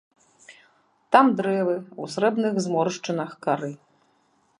Там дрэвы ў срэбных зморшчынах кары.